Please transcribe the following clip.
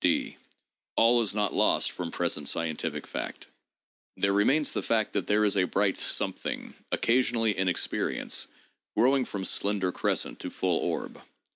(d) All is not lost from present scientific fact; there remains the fact that there is a bright something occasionally in experience, growing from slender crescent to full orb.